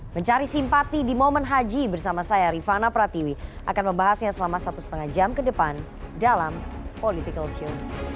mencari simpati di momen haji bersama saya rifana pratiwi akan membahasnya selama satu lima jam ke depan dalam political show